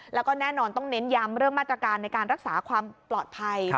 แล้วก็แน่นอนต้องเน้นย้ำเรื่องมาตรการในการรักษาความปลอดภัย